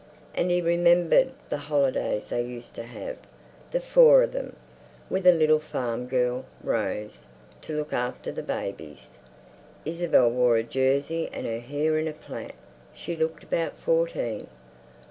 And he remembered the holidays they used to have, the four of them, with a little farm girl, Rose, to look after the babies. Isabel wore a jersey and her hair in a plait; she looked about fourteen.